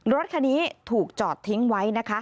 รถคันนี้ถูกจอดทิ้งไว้นะคะ